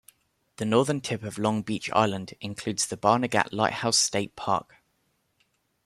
The northern tip of Long Beach Island includes the Barnegat Lighthouse State Park.